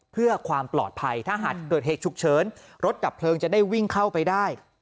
เพื่อความปลอดภัยถ้าหากเกิดเหตุฉุกเฉินรถดับเพลิงจะได้วิ่งเข้าไปได้